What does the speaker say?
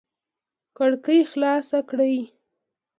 کړکۍ خلاص کړئ